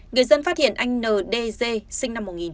người dân phát hiện anh n d g sinh năm một mươi năm tháng năm